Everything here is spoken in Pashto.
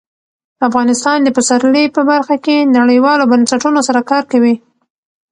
افغانستان د پسرلی په برخه کې نړیوالو بنسټونو سره کار کوي.